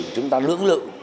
chúng ta lưỡng lự